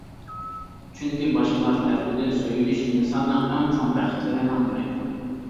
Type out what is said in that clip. چۈنكى باشقىلار تەرىپىدىن سۆيۈلۈش ئىنساننىڭ ئەڭ چوڭ بەختلىرىنىڭ بىرى.